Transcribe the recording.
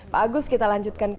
pak agus kita lanjutkan